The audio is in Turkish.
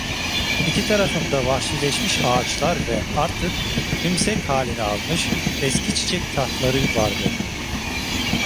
İki tarafımda vahşileşmiş ağaçlar ve artık tümsek halini almış eski çiçek tarhları vardı…